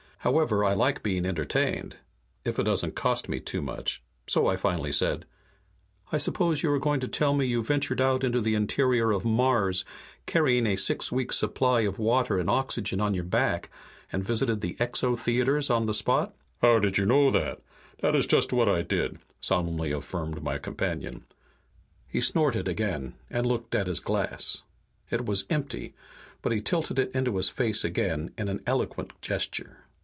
However, I like being entertained, if it doesn't cost me too much, so finally I said, "I suppose you are going to tell me you ventured out into the interior of Mars, carrying a six weeks' supply of water and oxygen on your back, and visited the Xo theaters on the spot?" "How did you know? Dat is just what I did," solemnly affirmed my companion. He snorted again, and looked at his glass. It was empty, but he tilted it into his face again in an eloquent gesture.